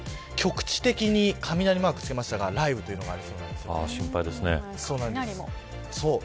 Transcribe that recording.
局地的に雷マークつけましたが雷雨というのが心配ですね。